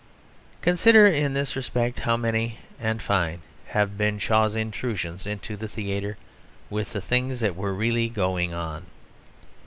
Consider in this respect how many and fine have been Shaw's intrusions into the theatre with the things that were really going on.